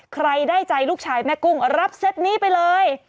ใครได้ใจลูกชายแม่กุ้งรับเซตนี้ไปเลย